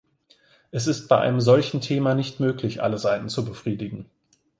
Es ist bei einem solchen Thema nicht möglich, alle Seiten zu befriedigen.